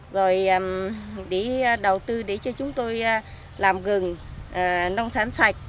rồi để đầu tư để cho chúng tôi làm gừng nông sản sạch